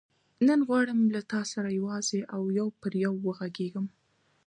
نن غواړم له تا سره یوازې او یو پر یو وغږېږم.